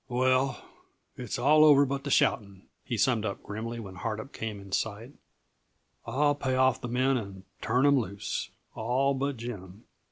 "Well, it's all over but the shouting," he summed up grimly when Hardup came in sight. "I'll pay off the men and turn 'em loose all but Jim.